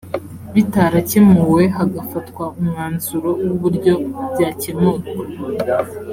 bitarakemuwe hagafatwa umwanzuro w uburyo byakemurwa